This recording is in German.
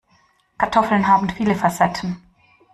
Kartoffeln haben viele Facetten.